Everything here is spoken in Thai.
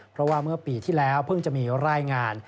เพราะว่าเมื่อปีที่แล้วเพิ่งจะมีรายงาน